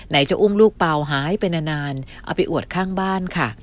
จะอุ้มลูกเปล่าหายไปนานเอาไปอวดข้างบ้านค่ะ